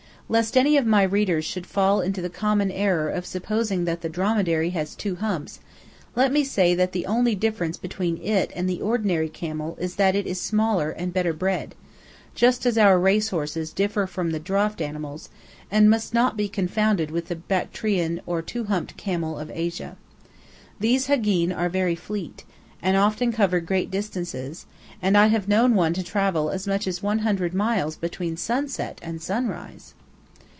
Lest any of my readers should fall into the common error of supposing that the dromedary has two humps, let me say that the only difference between it and the ordinary camel is that it is smaller and better bred, just as our racehorses differ from draught animals, and must not be confounded with the Bactrian or two humped camel of Asia. These hagīn are very fleet, and often cover great distances, and I have known one to travel as much as 100 miles between sunset and sunrise!